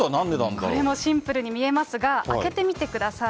これもシンプルに見えますが、開けてみてください。